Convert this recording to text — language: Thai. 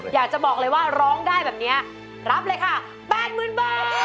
อยากจะบอกเลยว่าร้องได้แบบนี้รับเลยค่ะ๘๐๐๐บาท